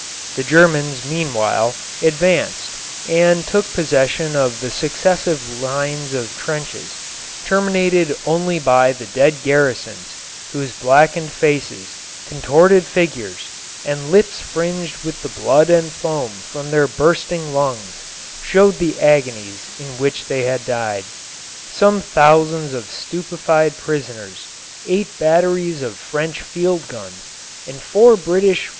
The Germans, meanwhile, advanced, and took possession of the successive lines of trenches, tenanted only by the dead garrisons, whose blackened faces, contorted figures, and lips fringed with the blood and foam from their bursting lungs, showed the agonies in which they had died. Some thousands of stupefied prisoners, eight batteries of French field guns, and four British 4.